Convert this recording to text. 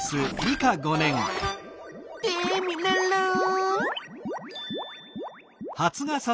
テミルンルン！